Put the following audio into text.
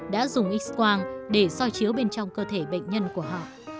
đã dùng x quang để soi chiếu bên trong cơ thể bệnh nhân của họ